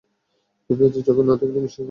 কী পেয়েছি চোখে না দেখলে বিশ্বাস করবে না!